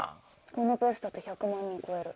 このペースだと１００万人超える。